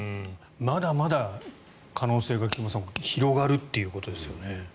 まだまだ可能性が菊間さん広がるということですね。